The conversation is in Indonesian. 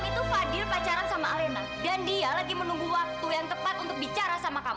itu fadil pacaran sama alena dan dia lagi menunggu waktu yang tepat untuk bicara sama kamu